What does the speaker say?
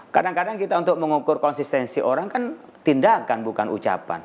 kadang kadang kita untuk mengukur konsistensi orang kan tindakan bukan ucapan